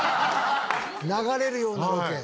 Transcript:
流れるようなロケ。